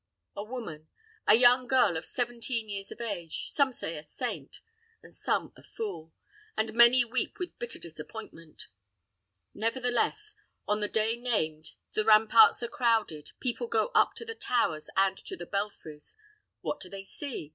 A woman a young girl of seventeen years of age some say a saint and some a fool; and many weep with bitter disappointment. Nevertheless, on the day named, the ramparts are crowded, people go up to the towers and to the belfries. What do they see?